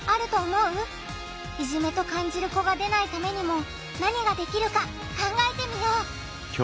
いじめと感じる子が出ないためにも何ができるか考えてみよう！